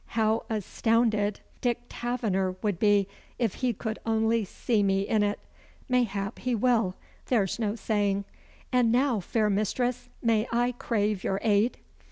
How astounded Dick Taverner would be, if he could only see me in it! Mayhap he will there's no saying. And now, fair mistress, may I crave your aid?"